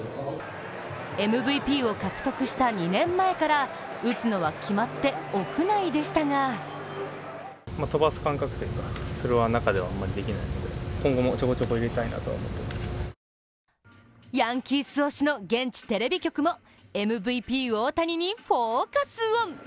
ＭＶＰを獲得した２年前から打つのは決まって屋内でしたがヤンキース推しの現地テレビ局もＭＶＰ・大谷にフォーカスオン！